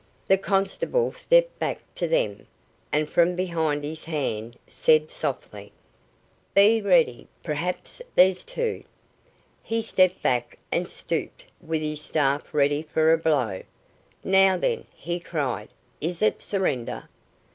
The constable stepped back to them, and from behind his hand, said, softly: "Be ready, perhaps there's two." He stepped back and stooped with his staff ready for a blow. "Now, then," he cried; "is it surrender?"